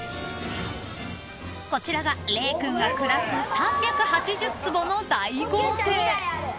［こちらがれい君が暮らす３８０坪の大豪邸］